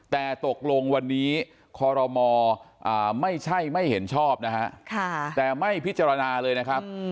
แต่ตกลงวันนี้คอรมอไม่ใช่ไม่เห็นชอบนะฮะแต่ไม่พิจารณาเลยนะครับ